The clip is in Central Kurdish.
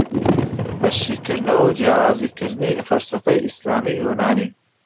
بە شیکردنەوەو جیاوزی کردنی لە فەلسەفەی ئیسلامی و یۆنانی